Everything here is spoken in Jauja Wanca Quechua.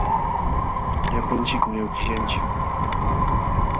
Llapanchikmi awkishyanchik.